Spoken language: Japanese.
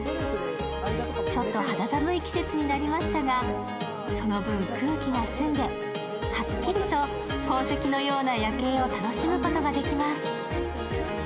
ちょっと肌寒い季節になりましたが、その分、空気が澄んではっきりと宝石のような夜景を楽しむことができます。